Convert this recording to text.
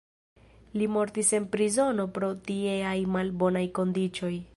Li mortis en prizono pro tieaj malbonaj kondiĉoj.